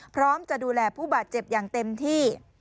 พร้อมจะดูแลผู้บาดเจ็บอย่างเต็มที่